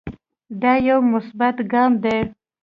دا يو مثبت ګام دے